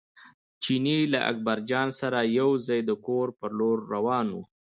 چیني له اکبرجان سره یو ځای د کور پر لور روان و.